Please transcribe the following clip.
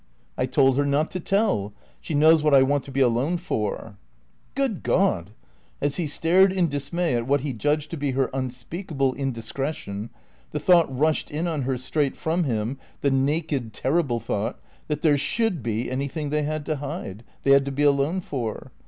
"I told her not to tell. She knows what I want to be alone for." "Good God!" As he stared in dismay at what he judged to be her unspeakable indiscretion, the thought rushed in on her straight from him, the naked, terrible thought, that there should be anything they had to hide, they had to be alone for.